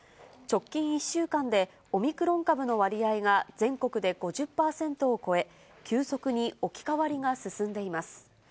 直近１週間でオミクロン株の割合が全国で５０％を超え、急速に置き換わりが進んでいます。